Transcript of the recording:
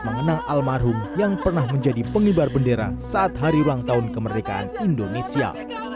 mengenang almarhum yang pernah menjadi pengibar bendera saat hari ulang tahun kemerdekaan indonesia